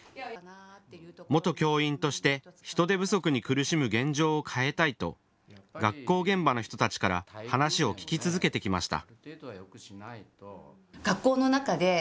元教員として人手不足に苦しむ現状を変えたいと学校現場の人たちから話を聞き続けてきました。